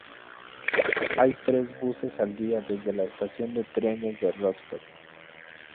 Hay tres buses al día desde la estación de trenes de Rostock.